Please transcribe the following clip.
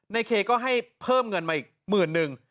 เคก็ให้เพิ่มเงินมาอีกหมื่นนึง